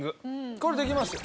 これできますよ。